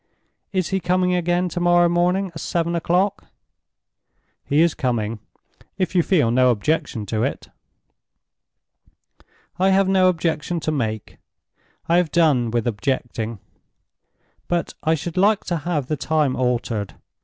Is he coming again tomorrow morning at seven o'clock?" "He is coming, if you feel no objection to it." "I have no objection to make; I have done with objecting. But I should like to have the time altered.